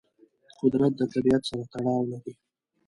قدرت د طبیعت سره تړاو لري.